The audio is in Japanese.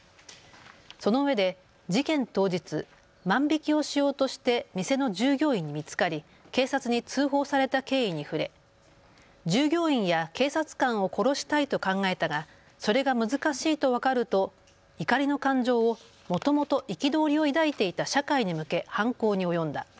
そのうえで事件当日、万引きをしようとして店の従業員に見つかり警察に通報された経緯に触れ従業員や警察官を殺したいと考えたがそれが難しいと分かると怒りの感情をもともと憤りを抱いていた社会に向け、犯行に及んだ。